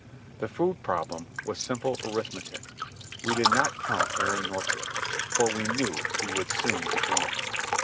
The food problem was simple arithmetic. We did not count Aaron Northrup, for we knew he would soon be gone.